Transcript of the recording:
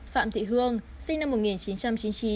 phạm thị hương sinh năm một nghìn chín trăm chín mươi chín